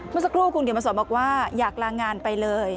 เมื่อสักครู่คุณเขียนมาสอนบอกว่าอยากลางานไปเลย